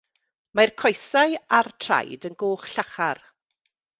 Mae'r coesau a'r traed yn goch llachar.